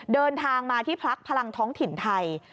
เดินทางมาที่พักพลังท้องถิ่นไทย